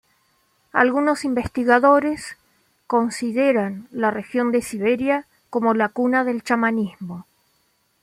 Algunos investigadores consideran la región de Siberia como la cuna del chamanismo.